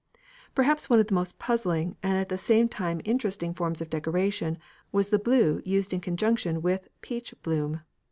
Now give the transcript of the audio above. Perhaps one of the most puzzling and at the same time interesting forms of decoration was the blue used in conjunction with peach bloom.